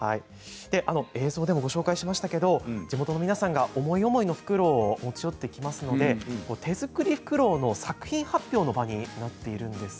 映像でもご紹介しましたけど地元の皆さんが思い思いのふくろうを持ち寄ってきますので手作りのものの作品発表の場にもなってるんです。